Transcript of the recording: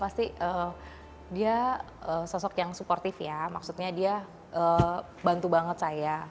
pasti dia sosok yang suportif ya maksudnya dia bantu banget saya